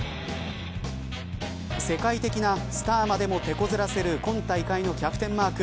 世界的なスターまでもてこずらせる今大会のキャプテンマーク。